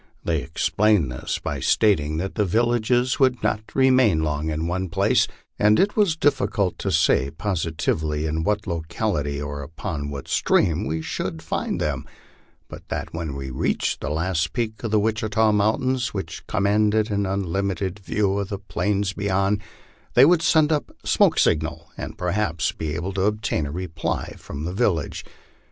They explained this by stating that the villages would not remain long in one place, and it was difficult to say positively in what lo cality or upon what stream we should find them ; but that when we reached the last peak of the Witchita mountains, which commanded an unlimited view of the plains beyond, they would send up signal smoke, and perhaps be able to obtain a reply from the village.